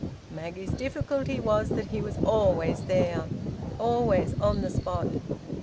Maggie's difficulty was that he was always there, always on the spot.